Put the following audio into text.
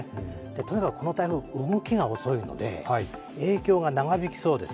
とにかくこの台風、動きが遅いので影響が長引きそうです。